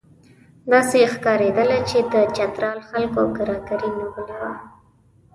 داسې ښکارېدله چې د چترال خلکو کراري نیولې وه.